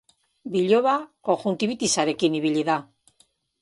Biloba konjuntibitisarekin ibili da.